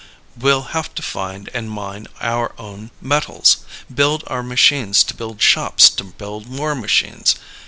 We'll have to find and mine our metals. Build our machines to build shops to build more machines.